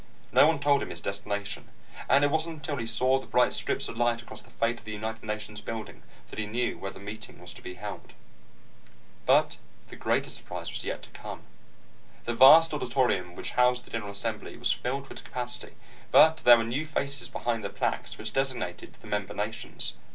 No one told him his destination, and it wasn't until he saw the bright strips of light across the face of the United Nations building that he knew where the meeting was to be held. But his greatest surprise was yet to come. The vast auditorium which housed the general assembly was filled to its capacity, but there were new faces behind the plaques which designated the member nations.